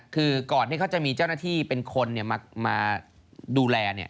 คือก่อนที่เขาจะมีเจ้าหน้าที่เป็นคนมาดูแล